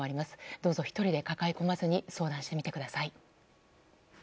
どうぞ１人で抱え込まずに相談してみてください。